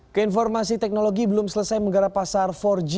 keinformasi teknologi belum selesai menggarap pasar empat g